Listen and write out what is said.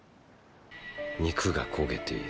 肉が焦げている。